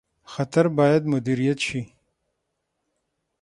خطر باید مدیریت شي